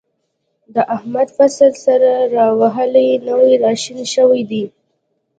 د احمد فصل سر را وهلی، نوی را شین شوی دی.